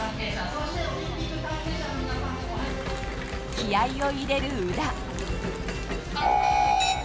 気合を入れる宇田。